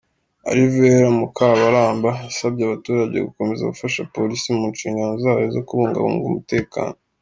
Alivera Mukabaramba, yasabye abaturage gukomeza gufasha polisi mu nshingano zayo zo kubungabunga umutekano.